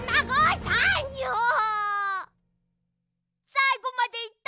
さいごまでいった！